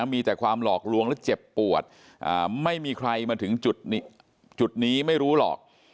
มีแต่ความหลอกลวงและเจ็บปวดไม่มีใครมาถึงจุดนี้ไม่รู้หรอก